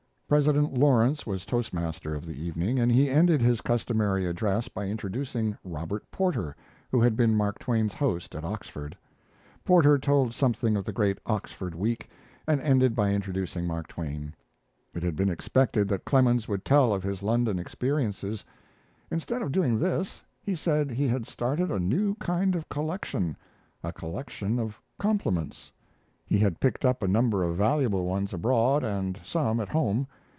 President Lawrence was toast master of the evening, and he ended his customary address by introducing Robert Porter, who had been Mark Twain's host at Oxford. Porter told something of the great Oxford week, and ended by introducing Mark Twain. It had been expected that Clemens would tell of his London experiences. Instead of doing this, he said he had started a new kind of collection, a collection of compliments. He had picked up a number of valuable ones abroad and some at home.